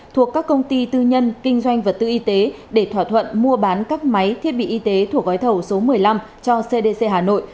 thuộc các công ty tư nhân kinh doanh vật tư y tế để thỏa thuận mua bán các máy thiết bị y tế thuộc gói thầu số một mươi năm cho cdc hà nội